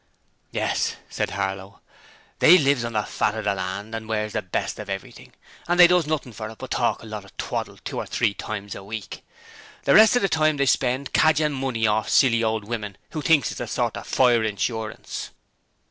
'Yes,' said Harlow; 'they lives on the fat o' the land, and wears the best of everything, and they does nothing for it but talk a lot of twaddle two or three times a week. The rest of the time they spend cadgin' money orf silly old women who thinks it's a sorter fire insurance.'